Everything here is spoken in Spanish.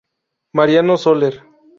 Mariano Soler.